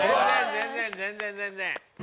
全然全然全然全然。